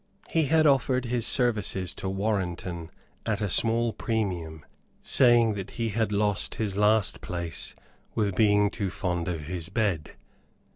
He had offered his services to Warrenton at a small premium, saying that he had lost his last place with being too fond of his bed.